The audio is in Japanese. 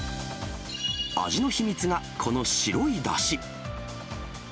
味の秘密がこの白いだし。